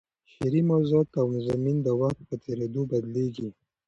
شعري موضوعات او مضامین د وخت په تېرېدو بدلېږي.